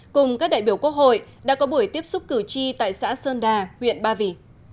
cùng các đại biểu quốc hội đã có buổi tiếp xúc cử tri tại xã sơn đà huyện ba vì